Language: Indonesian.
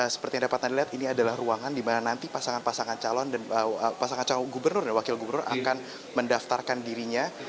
seperti yang dapat dilihat ini adalah ruangan dimana nanti pasangan pasangan calon dan pasangan calon gubernur dan wakil gubernur akan mendaftarkan dirinya